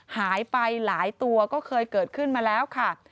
หายไปหลายตัวก็เคยเกิดขึ้นมาแล้วค่ะ